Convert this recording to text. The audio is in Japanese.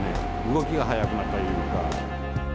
動きが速くなったりとか。